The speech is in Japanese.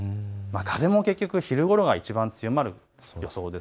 風も昼ごろがいちばん強まる予想です。